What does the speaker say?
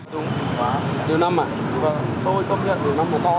đúng điều năm ạ tôi công nhận điều năm là có lắm